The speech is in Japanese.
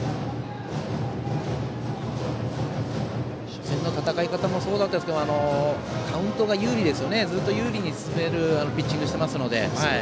初戦の戦い方もそうだったんですけどカウントをずっと有利に進めるピッチングをしていますので。